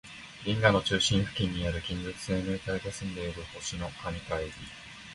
銀河の中心付近にある、金属生命体が住んでいる星の蟹か海老